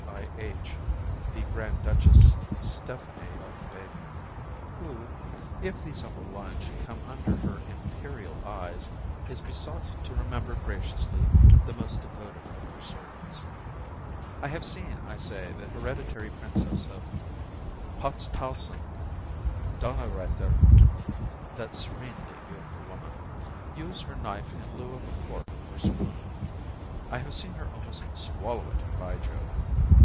I.H. the Grand Duchess Stephanie of Baden (who, if these humble lines should come under her Imperial eyes, is besought to remember graciously the most devoted of her servants) I have seen, I say, the Hereditary Princess of Potztausend Donnerwetter (that serenely beautiful woman) use her knife in lieu of a fork or spoon; I have seen her almost swallow it, by Jove!